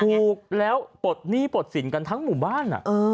ถูกแล้วปฏินี่ปฏิสินทางหมู่บ้าน